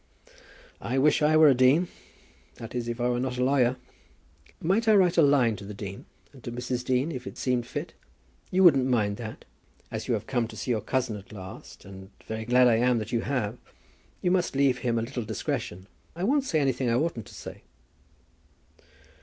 I wish I were a dean; that is, if I were not a lawyer. Might I write a line to the dean, and to Mrs. Dean, if it seemed fit? You wouldn't mind that? As you have come to see your cousin at last, and very glad I am that you have, you must leave him a little discretion. I won't say anything I oughtn't to say."